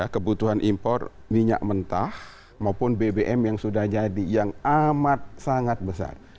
kebutuhan impor minyak mentah maupun bbm yang sudah jadi yang amat sangat besar